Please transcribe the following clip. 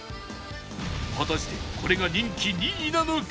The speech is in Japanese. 果たしてこれが人気２位なのか？